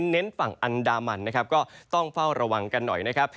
เน้นฝั่งอันดามันนะครับก็ต้องเฝ้าระวังกันหน่อยนะครับ